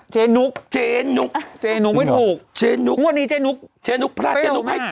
เจนุกเจนุกเจนุกไม่ถูกเจนุกเพราะวันนี้เจนุกเจนุกพระเจนุกให้